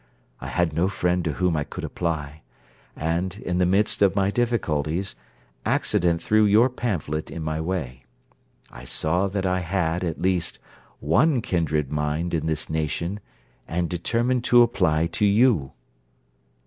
I had no friend to whom I could apply; and, in the midst of my difficulties, accident threw your pamphlet in my way. I saw that I had, at least, one kindred mind in this nation, and determined to apply to you.'